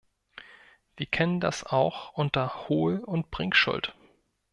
Wir kennen das auch unter Hol- und Bringschuld.